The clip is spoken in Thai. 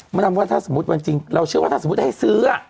ดำว่าถ้าสมมุติวันจริงเราเชื่อว่าถ้าสมมุติให้ซื้อ